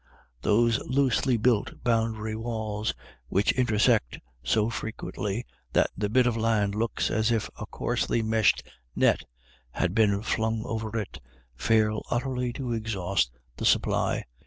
Those loosely built boundary walls, which intersect so frequently that the bit of land looks as if a coarsely meshed net had been flung over it, fail utterly to exhaust the supply.